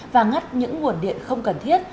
và ngắt những nguồn điện không cần thiết